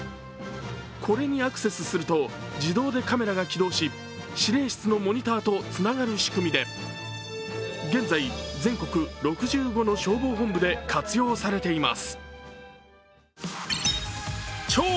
これにアクセスすると自動でカメラが起動し指令室のモニターとつながる仕組みで現在、全国６５の消防本部で活用されています。